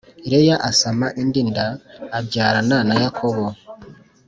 Leya asama indi nda abyarana na yakobo